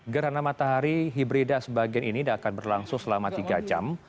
gerhana matahari hibrida sebagian ini akan berlangsung selama tiga jam